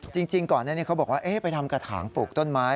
จริงก่อนนั้นเขาบอกว่าไปทำกระถางปลูกต้นไม้